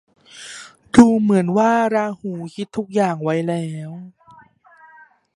ดูเหมือนว่าราหูคิดทุกอย่างไว้หมดแล้ว